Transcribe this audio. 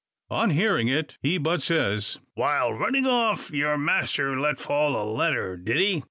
On hearing it, he but says: "While runnin' off, yur master let fall a letter, did he?